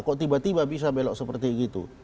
kok tiba tiba bisa belok seperti itu